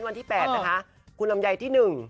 วันที่แปดนะคะคุณลำไยที่หนึ่ง